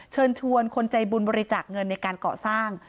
เชิญชวนคนใจบุญบริจาคเงินในการก่อสร้าง